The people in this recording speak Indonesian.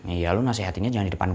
iya lu nasehatinnya jangan di depan